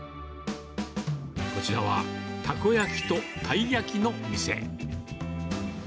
こちらは、たこ焼きとたい焼きの店。